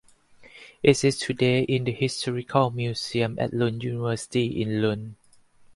It is today in the Historical Museum at Lund University in Lund.